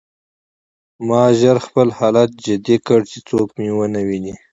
ما ژر خپل حالت جدي کړ چې څوک مې ونه ویني